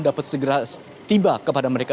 dapat segera tiba kepada mereka